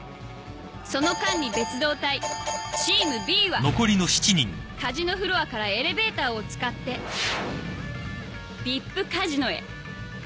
その間に別動隊チーム Ｂ はカジノフロアからエレベーターを使って ＶＩＰ カジノへ